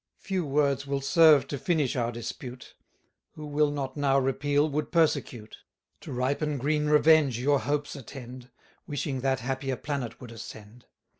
Few words will serve to finish our dispute; Who will not now repeal, would persecute. To ripen green revenge your hopes attend, Wishing that happier planet would ascend.